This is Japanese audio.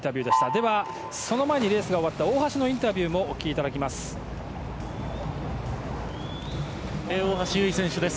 では、その前にレースが終わった大橋のインタビューもお聞きいただきます。